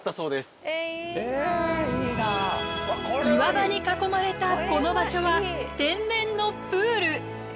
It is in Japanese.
岩場に囲まれたこの場所は天然のプール。